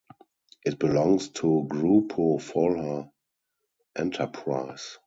It belongs to Grupo Folha enterprise.